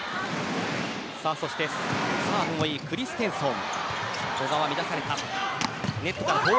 サーブもいいクリステンソン。